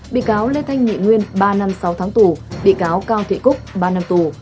bị cáo lê thanh nhị nguyên ba năm sáu tháng tù bị cáo cao thị cúc ba năm tù